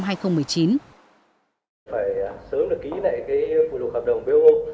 phải sớm được ký lại cái phụ lục hợp đồng bot